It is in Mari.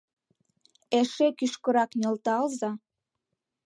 Эше кӱшкырак нӧлталза!